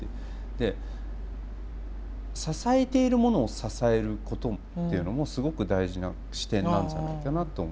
で支えているものを支えることっていうのもすごく大事な視点なんじゃないかなと思うんですよね。